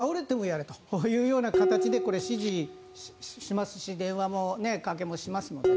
倒れてもやれというような形で指示しますし電話掛けもしますし。